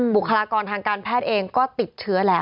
บุคลากรทางการแพทย์เองก็ติดเชื้อแล้ว